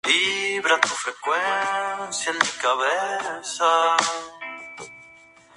El aeródromo actualmente está en desuso, y ocasionalmente se utiliza para carreras automovilísticas.